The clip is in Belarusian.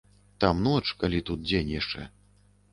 Там ноч калі, тут дзень яшчэ.